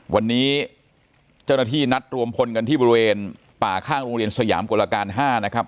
วันนี้เจ้าหน้าที่นัดรวมพลกันที่บริเวณป่าข้างโรงเรียนสยามกลการ๕นะครับ